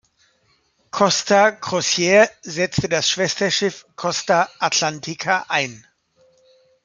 Costa Crociere setzt das Schwesterschiff "Costa Atlantica" ein.